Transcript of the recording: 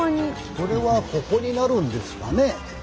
これはここになるんですかね。